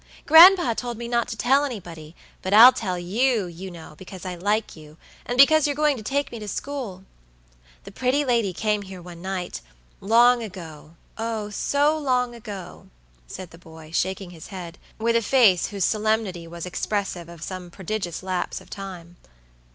Gran'pa told me not to tell anybody, but I'll tell you, you know, because I like you, and because you're going to take me to school. The pretty lady came here one nightlong agooh, so long ago," said the boy, shaking his head, with a face whose solemnity was expressive of some prodigious lapse of time.